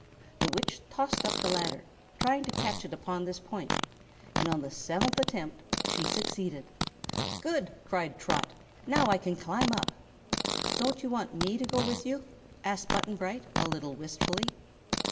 The Witch tossed up the ladder, trying to catch it upon this point, and on the seventh attempt she succeeded. "Good!" cried Trot; "now I can climb up." "Don't you want me to go with you?" asked Button Bright, a little wistfully.